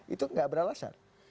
itu gak beralasan